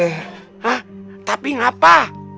hah tapi ngapa